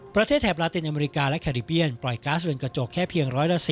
ประเทศแถบลาตินอเมริกาและแคริเบียนปล่อยก๊าซเรือนกระจกแค่เพียง๑๑๐